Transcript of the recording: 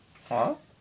ああ？